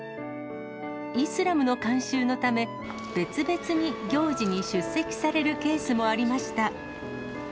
イスラムの慣習のため、別々に行事に出席されるケースもありまし